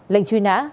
lệnh truy nã